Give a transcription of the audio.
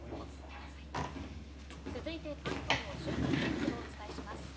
続いて関東の週間天気をお伝えします。